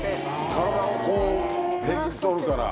体をこう平均取るから。